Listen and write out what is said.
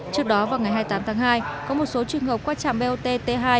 trước đó vào ngày hai mươi tám tháng hai có một số trường hợp qua trạm bot t hai